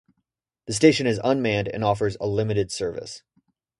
The station is unmanned and offers a limited service.